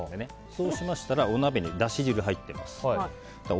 そうしましたらお鍋にだし汁が入っています。